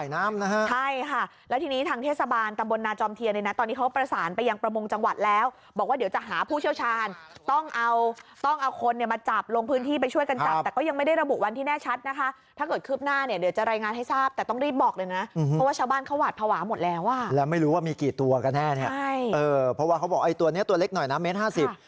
ในนะตอนนี้เขาประสานไปอย่างประมงจังหวัดแล้วบอกว่าเดี๋ยวจะหาผู้เชี่ยวชาญต้องเอาต้องเอาคนเนี่ยมาจับลงพื้นที่ไปช่วยกันจับแต่ก็ยังไม่ได้ระบุวันที่แน่ชัดนะคะถ้าเกิดคืบหน้าเนี่ยเดี๋ยวจะรายงานให้ทราบแต่ต้องรีบบอกเลยนะเพราะว่าชาวบ้านเขาหวาดภาวะหมดแล้วอ่ะแล้วไม่รู้ว่ามีกี่ตัวก็แน่เนี่